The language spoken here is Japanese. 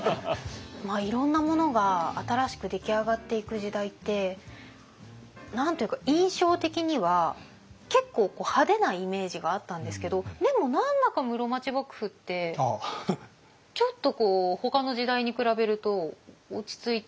いろんなものが新しく出来上がっていく時代って何と言うか印象的には結構派手なイメージがあったんですけどでも何だか室町幕府ってちょっとこうほかの時代に比べると落ち着いている印象ありますよね。